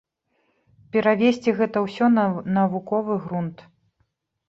Перавесці гэта ўсё на навуковы грунт.